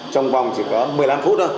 trong vòng chỉ có một mươi năm phút thôi